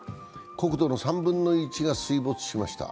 国土の３分の１が水没しました。